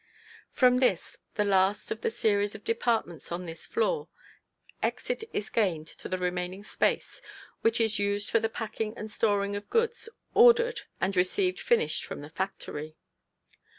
From this, the last of the series of departments on this floor, exit is gained to the remaining space, which is used for the packing and storing of goods ordered and received finished from the factory.